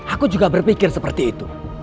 aku juga berpikir seperti itu